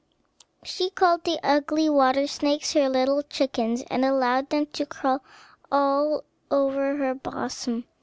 She called the ugly water snakes her little chickens, and allowed them to crawl all over her bosom.